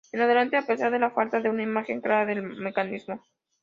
En adelante, a pesar de la falta de una imagen clara del mecanismo.